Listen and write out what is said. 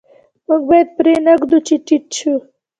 موږ باید پرې نه ږدو چې ټیټ شو.